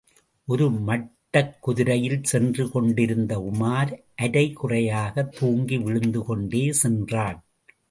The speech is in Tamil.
ஒரு மட்டக்குதிரையில் சென்று கொண்டிருந்த உமார் அரை குறையாகத் தூங்கிவிழுந்து கொண்டே சென்றான்.